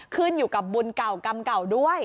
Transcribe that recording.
ขึ้นอยู่กับบุญเก่ากรรมเก่าด้วย